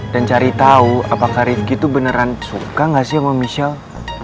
dan cari tau apakah rizky tuh beneran suka ga sih sama michelle